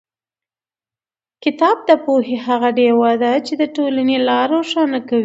کتاب د پوهې هغه ډېوه ده چې د ټولنې لار روښانه کوي.